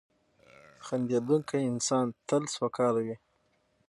• خندېدونکی انسان تل سوکاله وي.